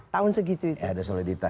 tahun segitu itu